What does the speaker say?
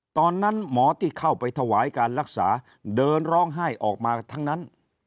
ตอนนั้นหมอที่เข้าไปถวายการรักษาเดินร้องไห้ออกมาทั้งนั้น